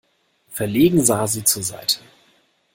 Verlegen sah sie zur Seite.